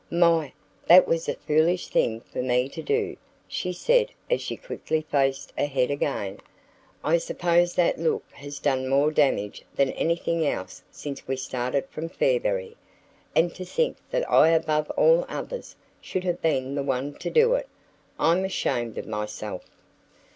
"My! that was a foolish thing for me to do," she said as she quickly faced ahead again. "I suppose that look has done more damage than anything else since we started from Fairberry. And to think that I above all others should have been the one to do it. I'm ashamed of myself."